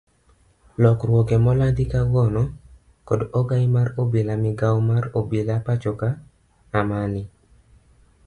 Lokruoge molandi kawuono kod ogai mar bad migao mar obila pachoka Amani.